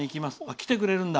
来てくれるんだ。